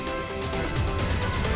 gak ada yang menung discoverright in here